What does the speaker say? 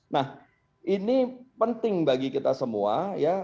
nah ini penting bagi kita semua ya